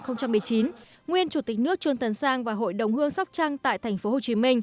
năm hai nghìn một mươi chín nguyên chủ tịch nước trương tấn sang và hội đồng hương sóc trăng tại tp hcm